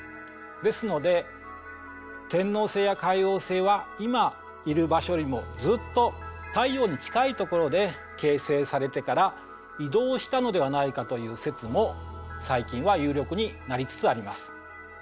ですので天王星や海王星は今いる場所よりもずっと太陽に近いところで形成されてから移動したのではないかという説も最近は有力になりつつあります。